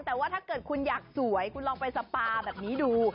แต่ว่าถ้าเกิดคุณอยากสวยคุณลองไปสปาแบบนี้ดู